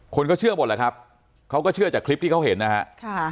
คนก็เชื่อหมดแหละครับเขาก็เชื่อจากคลิปที่เขาเห็นนะฮะ